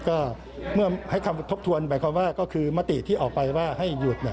ก็เมื่อให้คำทบทวนหมายความว่าก็คือมติที่ออกไปว่าให้หยุด